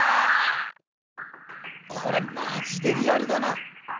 これマジでリアルだな！